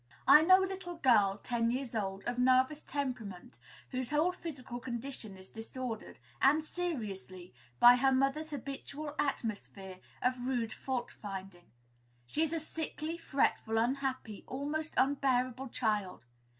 I know a little girl, ten years old, of nervous temperament, whose whole physical condition is disordered, and seriously, by her mother's habitual atmosphere of rude fault finding. She is a sickly, fretful, unhappy, almost unbearable child.